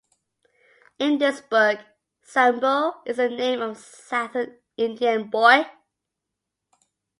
In this book, Sambo is the name of a southern Indian boy.